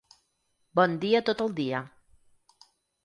Bon dia tot el dia